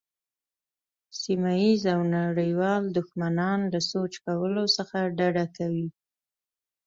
سیمه ییز او نړیوال دښمنان له سوچ کولو څخه ډډه کوي.